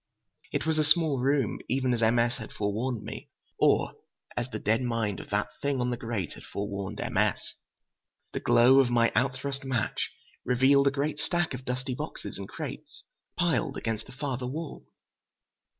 It was a small room, even as M. S. had forewarned me—or as the dead mind of that thing on the grate had forewarned M. S. The glow of my out thrust match revealed a great stack of dusty boxes and crates, piled against the farther wall.